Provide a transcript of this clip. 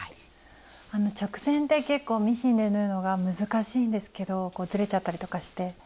直線って結構ミシンで縫うのが難しいんですけどこうずれちゃったりとかして。